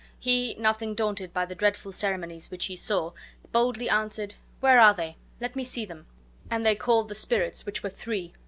He, nothing daunted by the dreadful ceremonies which be saw, boldly answered: "Where are they? Let me see them." And they called the spirits, which were three.